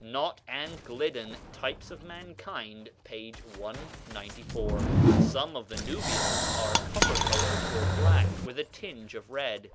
(Nott and Gliddon, "Types of Mankind," p. 194.) "Some of the Nubians are copper colored or black, with a tinge of red."